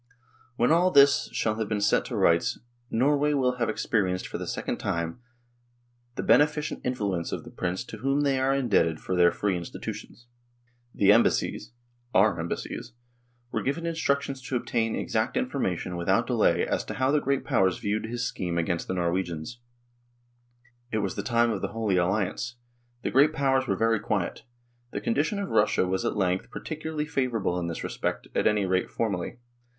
When all this shall have been set to rights " Norway will have experienced for the second time the beneficent influence of the prince to whom they are indebted for their free institutions." The Embassies (" our " Embassies) were given instructions to obtain exact information without delay as to how the Great Powers viewed his scheme against the Norwegian State. It was the time of the Holy Alliance. The Great Powers were very quiet ; the condition of Russia was at length particularly favourable in this respect, at any rate formally.